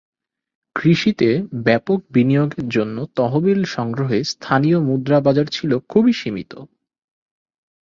কৃষিতে ব্যাপক বিনিয়োগের জন্য তহবিল সংগ্রহে স্থানীয় মুদ্রা বাজার ছিল খুবই সীমিত।